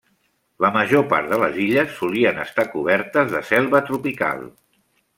La major part de les illes solien estar cobertes de selva tropical.